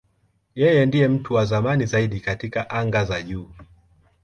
Yeye ndiye mtu wa zamani zaidi katika anga za juu.